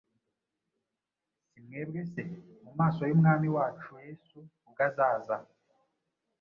Si mwebwe se, mu maso y’Umwami wacu Yesu ubwo azaza?